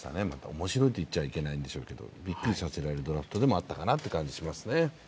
面白いと言っちゃいけないんでしょうけど、びっくりさせられるドラフトでもあったかなという感じがしますね。